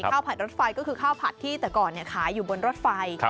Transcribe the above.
ผัดรถไฟก็คือข้าวผัดที่แต่ก่อนขายอยู่บนรถไฟ